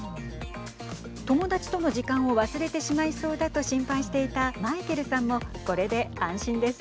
友達との時間を忘れてしまいそうだと心配していたマイケルさんもこれで安心です。